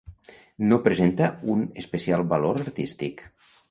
No presenta un especial valor artístic.